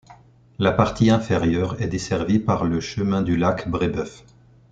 La partie inférieure est desservie par le chemin du Lac Brébeuf.